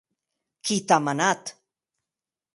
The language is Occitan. Qui t’a manat?